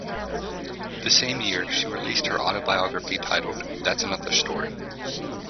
The same year, she released her autobiography titled "That's Another Story".